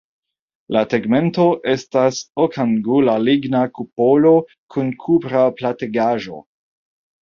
La tegmento estas okangula ligna kupolo kun kupra plattegaĵo.